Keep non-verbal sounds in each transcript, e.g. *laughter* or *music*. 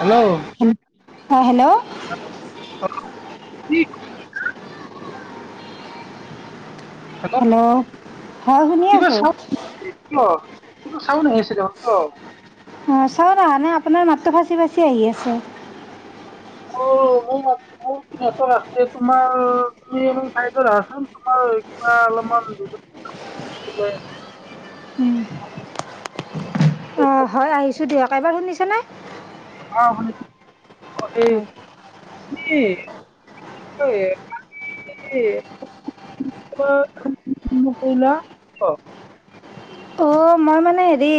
Hello অ'হ hello? কি? Hello! হয়, শুনি কিবা আছোঁ। চাউণ্ড কিয় কিবা চাউণ্ড আহি আছে দেখোন! কিয়? অ' চাউণ্ড অহা নাই, আপোনাৰ মাতটো ফাটি ফাটি আহি আছে। অ' মোৰ, নেটৱৰ্কৰ আছে। তোমাৰ, তুমি অলপ চাইডত আহাচোন। তোমাৰ কিবা অলপমান আছে। অ' হয় আহিছোঁ দিয়ক। এইবাৰ শুনিছানে? অ', শুনিছোঁ। এই হয়। *unintelligible* অ' মই মানে হেৰি,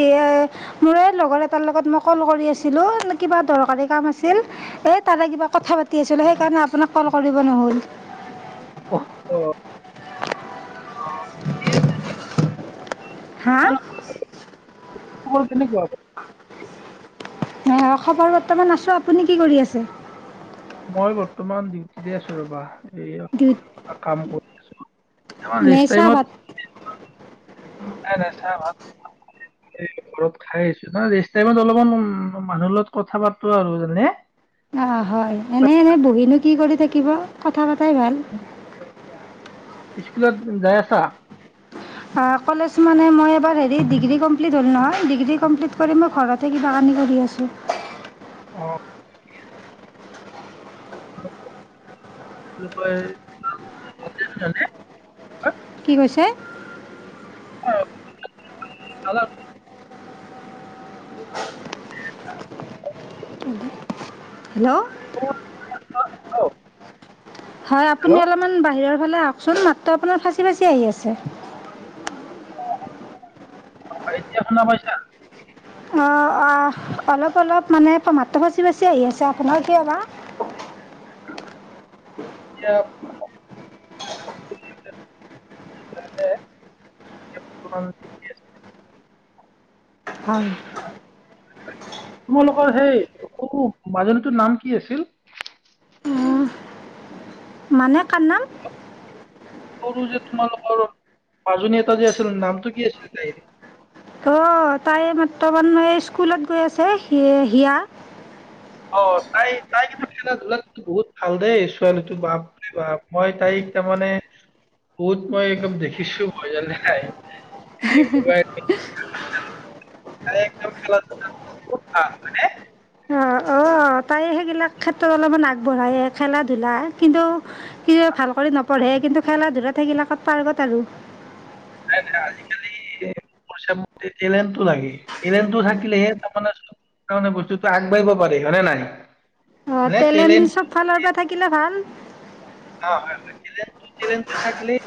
মোৰ এই লগৰ এটাৰ লগত মই ক'ল কৰি আছিলোঁ। কিবা দৰকাৰী কাম আছিল, এই তাৰে কিবা কথা পাতি আছিলোঁ, সেইকাৰণে আপোনাক ক'ল কৰিব নহ'ল। অ'! অ'! দি আছে এতিয়া। হা? তোমাৰ কেনেকুৱা? খবৰ, বৰ্তমান আছোঁ, আপুনি কি কৰি আছে? মই বৰ্তমান ডিউটিতে আছোঁ ৰবা। এইয়া, কাম কৰি *inaudible* নে ৰেষ্ট চাহ টাইমত ভাত? নাই, নাই, চাহ ভাত, ঘৰত খাই আহিছোঁ। ৰেষ্ট টাইমত অলপমান, উ, মানুহৰ লগত কথা পাতোঁ আৰু মানে। অ' হয়। এনে, এনে, বহি নো? কি কৰি থাকিব? কথা পা *inaudible* চাই ভাল স্কুলত যাই আছা? আ কলেজ মানে মই এবাৰ হেৰি ডিগ্ৰী কমপ্লিট হ'ল নহয়, ডিগ্ৰী কমপ্লিট ত কৰি মই ঘৰতে কিবা কানি কৰি আছোঁ। অ *unintelligible* কি কৈছে? অ *unintelligible* হেল্ল' অ, অঁ হয় আপুনি অলপমান বাহিৰৰ ফালে আহকচোন মাতটো আপোনাৰ ফাঁচি ফাঁচি আহি আছে। অ এতিয়া শুনা পাইছা? অঁ অঁ, অলপ অলপ মানে মাতটো ফাঁচি ফাঁচি আহি আছে আপোনাৰ কিয় বা? এতিয়া *unintelligible* হয়। তোমালোকৰ সেই সৰু মাজনীটোৰ নাম কি আছিল? মানে কাৰ নাম? সৰু যে তোমালোকৰ মাজনী এটা যে আছিল নামটো কি আছিল তাইৰ? অ তাই বৰ্তমান এই স্কুলত গৈ আছে, হি-হিয়া। অ তাই তাই কিন্ত খেলা ধূলা বহুত ভাল দেই ছোৱালীটো বাপৰে বাপ, মই তাইক তাৰমানে বহুত মই একদম দেখিছো মই যোনাই হা হা হা তাই খেলা ধূলাত বহুত ভাল হয়নে। অ অঁ, তাই সেই নাই নাই, আজিকালি *unintelligible* টেলেণ্ট টো লাগে, টেলেণ্ট থাকিলেহে তাৰমানে চবে বস্তুটো আগবাঢ়িব পাৰে, হয়ে নাই? অ টেলেণ্ট চব ফালৰ পৰা থাকিলে ভাল। হয় হয়, টেলেণ্ট কি টেলেণ্টটো থাকিলেই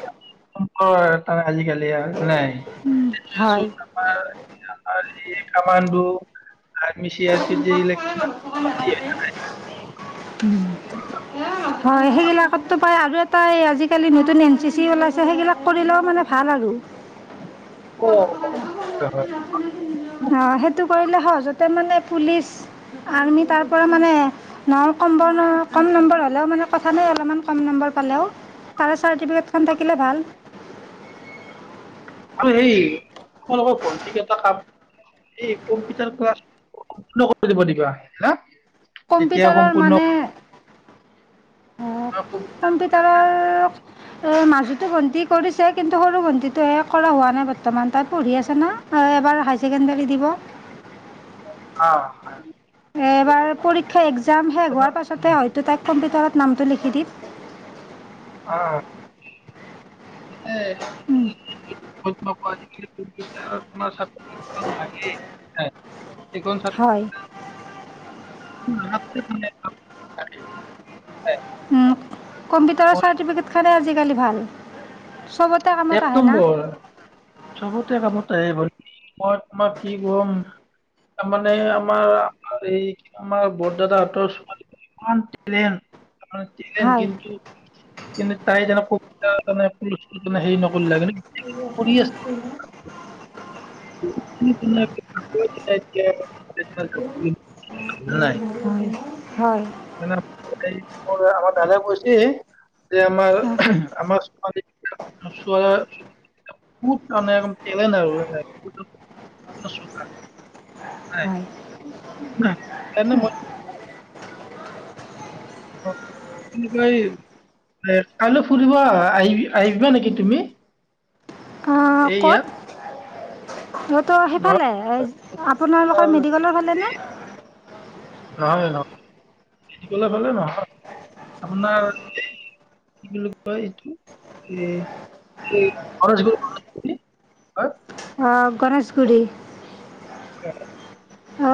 *unintelligible* আজিকালি নাই *unintelligible* হয় আমাৰ আৰু এই commando, army, C R P যিলাক কিমান হয় সেইগিলাকততো পায় আৰু এটা এই আজিকালি নতুন এন চি চি ওলাইছে সেইগিলাক কৰিলেও মানে ভাল আৰু। অঁ অঁ, হয় হয়। অ সেটো কৰিলে সহজতে মানে পুলিচ, আৰ্মি তাৰ পৰা মানে নহ কম্বৰ ন কম নম্বৰ হ'লেও মানে কথা নাই অলপমান কম নম্বৰ পালেও, তাৰে চাৰ্টিফিকেটখন থাকিলে ভাল। আৰু সেই তোমালোকৰ ভণ্টিক এটা কাম তেতিয়া কম্পিউটাৰৰ সম্পূৰ্ণ মানে আ অ' কম্পিউটাৰৰ অ মাজতে ভণ্টিয়ে কৰিছে কিন্তু সৰু ভণ্টিটো হে কৰা হোৱা নাই বৰ্তমান, তাই পঢ়ি আছে না এবাৰ হাই ছেকেণ্ডেৰী দিব। অ হয়। এবাৰ পৰীক্ষা একজাম শেষ হোৱাৰ পাছতে হয়তো তাইক কম্পি তলত নামটো লিখি দিম। অ উম *unintelligible* এইখন ছাত্ৰ হয় ছাত্ৰীৰ বা, *unintelligible* কম্পউটাৰৰ চাতিপেকেত খনে আজিকালি ভাল চবতে কামত এক আহে না নম্বৰ চবতে কামত মই তোমাক কি কম তাৰ মমানে আমাৰমাৰ এই আমাৰ বৰদাদাহতৰ ছোৱালী জনী ইমান ট্ৰলেন টেলেন্ট হয় কিন্তু কিন্তু তাই যান পু পৰুষ ত মানে নকৰিলে গে, *unintelligible* *unintelligible* হয় হয় এই ম আমাৰ দাদাই কৈছে যে আমাৰ আমাৰ ছোৱালী বহুত টেলেন্ট আৰু, ন চোকা হয় তেনে ম কি ক এ কাইলৈ ফুৰিবা আহিবি আহিবা নেকি তুমি অ এই কত ইয়াত ইহঁতৰ নহয় সেইফালে আপোনাৰ আপোনালোকৰ মেডিকেলৰ ফালেনে নহয় নহয় কলেলে নহয় আপোনাৰ কি বুলি কয় এইটো এ হয় গণেশগুৰি *unintelligible* অ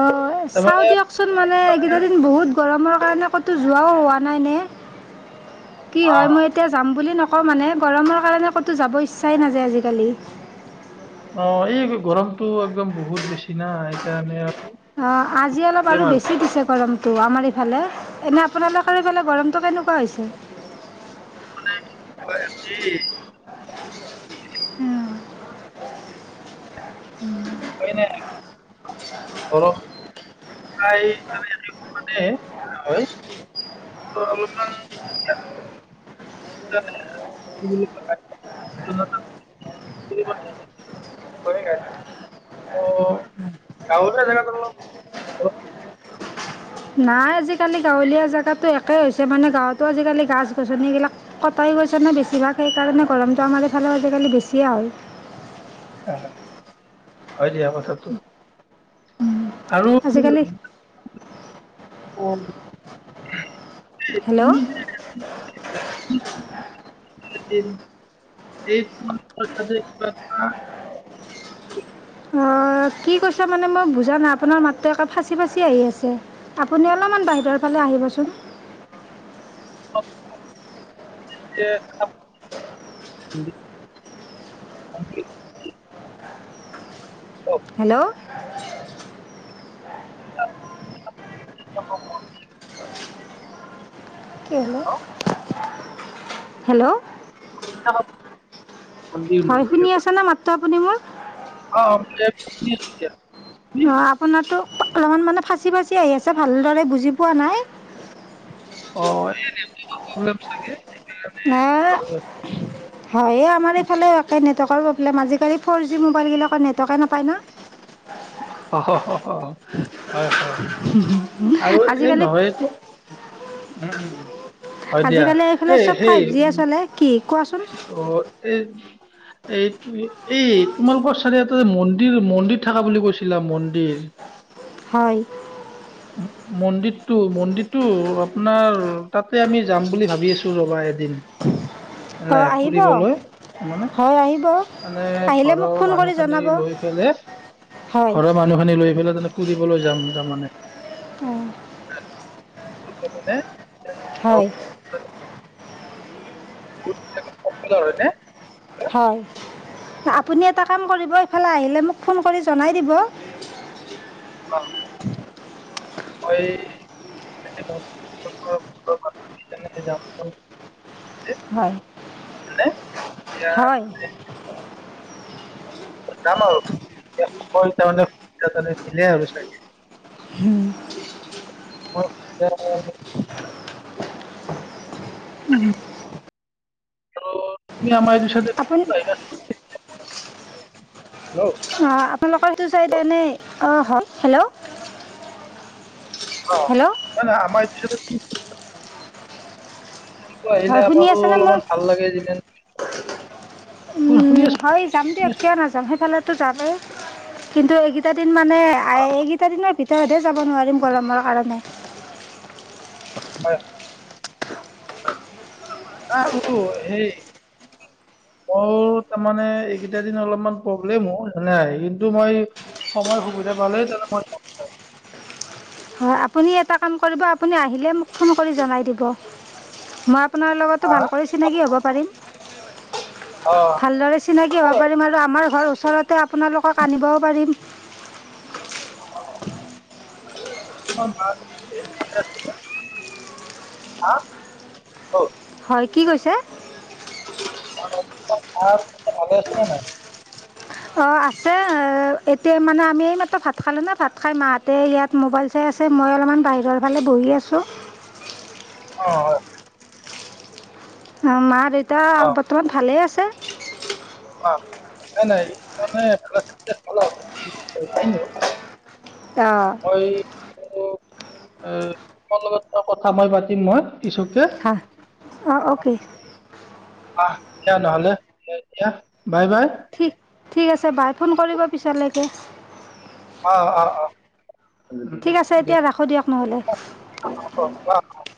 চাও তাৰমানে দিয়কচোন মানে এইকেইটা দিন বহুত গৰম অ সেই কাৰণে ক'তো যোৱাও হোৱা নাই নে কি অ হয় মই এতিয়া যাম বুলি নকও। নকও মানে গৰমৰ কাৰণে ক'তো যাব ইচ্ছা ইচ্ছায়ে নাযায় আজিকালি অ এই গৰমতো একদম বহুত বেছি না সেইকাৰণে আৰু অ আজি অলপ আৰু বেছি দিছে গৰম তো আমাৰ ইফালে এনে আপোনালোকৰ এইফালে গৰমটো কেনেকুৱা হৈছে, হয় ক হয়নে? ঘ প্ৰ হয় অলপমান হয় *unintelligible* অ গাঁৱলীয়া জেগাত অলপ গৰম বেছি নাই আজিকালি গাঁৱলীয়া জেগাতো একেই হৈছে। মানে গাঁৱতো আজিকালি গছ গছনিবিলাক কটাই গৈছে ন বেছিভাগ সেইকাৰণে গৰমটো আমাৰ এইফালে আজিকালি বেছিয়ে হয়। হয় দিয়া কথাটো। আৰু আজিকালি অ হেল্ল' তুমি যে *inaudible* অ কি কৈছে মানে মই বুজা নাই আপোনাৰ মাতটো একে ফাঁচি ফাঁচি আহি আছে। আপুনি অলপমান বাহিৰৰ ফালে আহিবচোন *unintelligible* হেল্ল' *inaudible* অ *unintelligible* কি হ'ল অ হেল্ল' অ *unintelligible* হয় শুনি আছা না মাতত আপুনি মোৰ। আমক পছ *unintelligible* নহ আপোনাৰতো অলপমান মানে ফাঁচি ফাচিঁ আহি আছে, ভালদৰে বুজি পোৱা নাই। অ এই নেটৱৰ্কৰ প্ৰব্লেম থাকে। ন হয়ে আমাৰ ইফালে একে নেট তকৰ প্ৰবলেম আজিকালি ফ'ৰ জি মোবাইলবিলাকত নেটৱৰ্কে নাপায় ন। অহ হ' হ, হয় হয় হয় উম উম আৰু এই নহয় দিয়ক উম উম হয় দিয়া আজিকালি এইফালে এই চব ফাইভ জি এ সেই চলে। কি কোৱাচোন? অ', এই এই এই তোমালোকৰ চাৰিআলিতে মন্দিৰ মন্দিৰ থাকা বুলি কৈছিলা মন্দিৰ। হয় মন্দিৰটো মন্দিৰতটো আপোনাৰ তাতে আমি যাম বুলি ভাবি আছো ৰবা এদিন। অঁ নাই আহিব ফুৰিবলৈ মানে। হয় আহিব মানে আহিলে মোক ঘৰৰ ফোন কৰি মানুহ খিনি জনাব লৈ পেলাই হয় ঘৰৰ মানুহ খিনি লৈ পেলাই ফুৰিবলৈ যাম তাৰমানে। নে, হয় ুত সফৰ হয়নে *unintelligible* হয় আপুনি এটা কাম কৰিব এইফালে আহিলে মোক ফোন কৰি জনাই দিব। অকে। অ এই মই যাম *unintelligible* হয় এতিয়া হয় যাম আৰু মানোনিলে আৰু চাগ হম অ কম ত তুমি আমাৰ চাইডে আপুনি আহিবা হেল্ল' আপোনালোকৰ সেইটো চাইডে নে অঁ হয় হেল্ল' অ হেল্ল' নাই নাই আমাৰ ইছা উ আলহী হয় আহিলে শুনি আমাৰো আছেনে মোৰ অলপমান ভাল লাগে যিমান শুন- শুনি উম আছো হয় যাম শুনি দিয়ক আছো কিয় নাযাম সেইফালে যাব কিন্তু এইকেইটা কি মানে অ এইকেইটা দিনৰ ভিতৰতে যাব নোৱাৰিম গৰমৰ কাৰণে অ নাই বল সেই মোৰ তাৰমানে এইকেইটা দিন অলপমান প্ৰব্লেমনে কিন্তু মই সময় সুবিধা পালে মই যাব পাৰিম হয় আপুনি এটা কাম কৰিব আপুনি আহিলে মোক ফোন কৰি জনাই দিব মই আপোনাৰ লগতো হা ভালক চিনাকি হ'ব পাৰিম অ ভালদৰে চিনাকী অ, হ'ব পাৰিম আৰু আমাৰ ঘৰৰ ওচৰতে আপোনালোক তাক আনিবও পাৰিম *inaudible* হা অ হয় কি কৈছে খবৰ খাতি ভাল ভালে আছে নে নাই অঁ আছে এতিয়া মানে আমি এইমাত্ৰ ভাত খালোঁ ন ভাত খাই মাহঁতে ইয়াত মোবাইল চাই আছে মই অলপমান বাহিৰৰ ফালে বহি আছোঁ অ হয় অ, মা দেউ তা অ আৰু বৰ্তমান ভালে আছে। ত। অ নাই নাই। এই মানে *unintelligible* খেলা ভাবিছিলো। অ। আৰু এ তোমাৰ লগত কথাষাৰ মই পাতিম বাৰু। হ। অঁ অ'কে। আহ, এতিয়া নহলে দিয়া, বাই বাই। ঠিক ঠিক আছে বাই। ফোন কৰিব পিছলৈকে। অ অ অ। উম, উম, ঠিক আছে দিয়া এতিয়া ৰাখোঁ দিয়ক হ'ব নহ'লে।